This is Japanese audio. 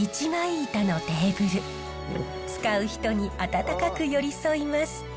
使う人に温かく寄り添います。